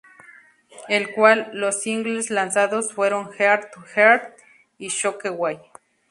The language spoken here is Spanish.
El cual los singles lanzados fueron "Heart to heart" y "Shockwave".